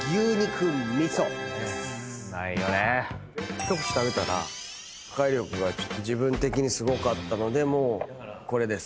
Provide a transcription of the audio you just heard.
一口食べたら破壊力が自分的にすごかったのでもうこれです。